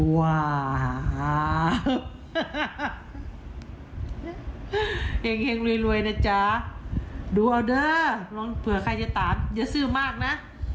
เห็งรวยนะจ๊ะดูเอาเด้อลองเผื่อใครจะตามอย่าซื่อมากนะ